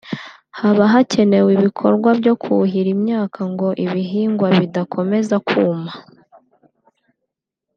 haba hakenewe ibikorwa byo kuhira imyaka ngo ibihingwa bidakomeza kuma